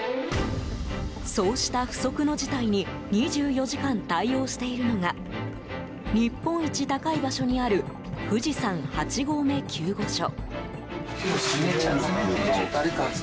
そうした不測の事態に２４時間対応しているのが日本一高い場所にある富士山八合目救護所。